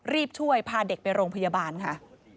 รีบช่วยพาเด็กไปโรงพยาบาลค่ะ